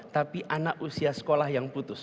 tapi anak usia sekolah yang putus